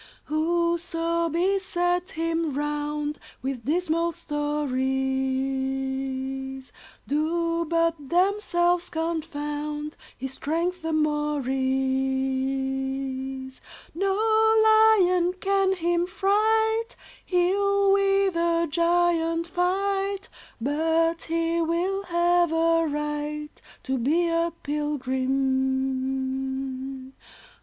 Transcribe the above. "Whoso beset him round With dismal stories, Do but themselves confound His strength the more is. No lion can him fright; He'll with a giant fight, But he will have a right To be a pilgrim.